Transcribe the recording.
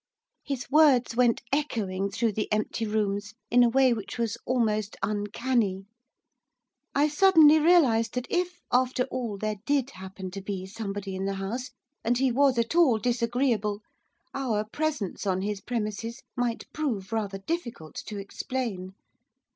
His words went echoing through the empty rooms in a way which was almost uncanny. I suddenly realised that if, after all, there did happen to be somebody in the house, and he was at all disagreeable, our presence on his premises might prove rather difficult to explain.